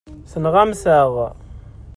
Tenɣamt-aɣ-t.